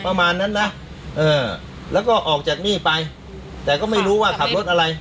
ประมาณนั้นนะเออแล้วก็ออกจากนี่ไปแต่ก็ไม่รู้ว่าขับรถอะไร